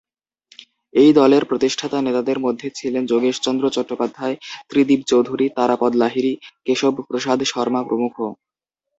এই দলের প্রতিষ্ঠাতা নেতাদের মধ্যে ছিলেন যোগেশচন্দ্র চট্টোপাধ্যায়, ত্রিদিব চৌধুরী, তারাপদ লাহিড়ী, কেশব প্রসাদ শর্মা প্রমুখ।